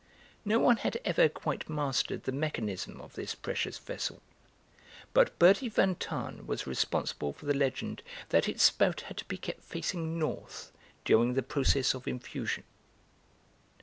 No one had ever quite mastered the mechanism of this precious vessel, but Bertie van Tahn was responsible for the legend that its spout had to be kept facing north during the process of infusion.